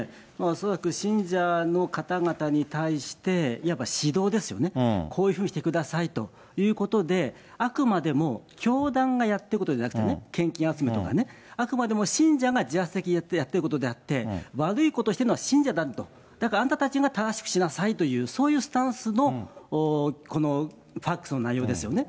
恐らく信者の方々に対して、やっぱ指導ですよね、こういうふうにしてくださいということで、あくまでも教団がやっていることじゃなくてね、献金集めとかね、あくまでも信者が自発的にやっていることであって、悪いことしてるのは信者なんだと、だからあんたたちが正しくしなさいという、そういうスタンスの、このファックスの内容ですよね。